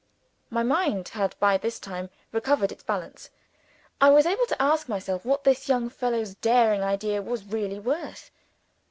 My mind had by this time recovered its balance. I was able to ask myself what this young fellow's daring idea was really worth.